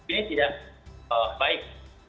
ini tidak baik